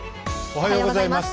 おはようございます。